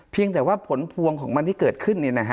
เพียงแต่ว่าผลพวงของมันที่เกิดขึ้น